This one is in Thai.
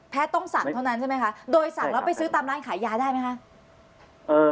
ต้องสั่งเท่านั้นใช่ไหมคะโดยสั่งแล้วไปซื้อตามร้านขายยาได้ไหมคะ